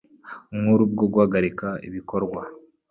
Nkuru bwo guhagarika ibikorwa